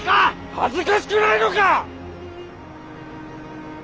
恥ずかしくないのか！